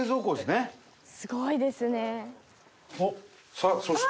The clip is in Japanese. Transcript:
さあそして？